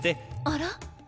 あら？